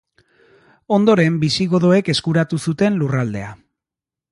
Ondoren bisigodoek eskuratu zuten lurraldea.